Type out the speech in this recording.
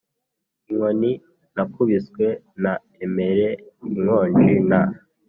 inkoni nakubiswe naemere inkonji na